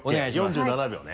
４７秒ね。